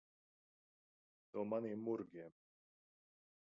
No maniem murgiem.